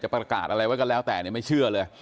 ประกาศอะไรไว้ก็แล้วแต่ไม่เชื่อเลย